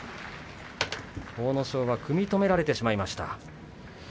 阿武咲は組み止められてしまいました。